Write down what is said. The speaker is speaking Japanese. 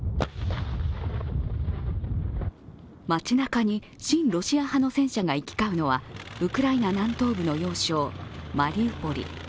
街なかに親ロシア派の戦車が行き交うのはウクライナ南東部の要衝マリウポリ。